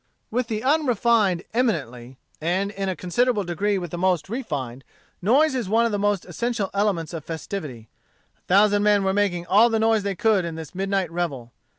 With the unrefined eminently, and in a considerable degree with the most refined, noise is one of the essential elements of festivity. A thousand men were making all the noise they could in this midnight revel.